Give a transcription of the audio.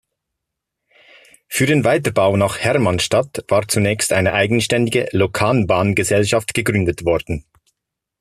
Für den Weiterbau nach Hermannstadt war zunächst eine eigenständige Lokalbahngesellschaft gegründet worden.